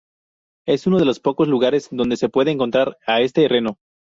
Es uno de los poco lugares donde se puede encontrar a este reno.